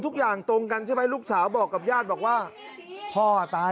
ทุกอย่างตรงกันใช่ไหมลูกสาวบอกกับญาติบอกว่าพ่ออ่ะตาย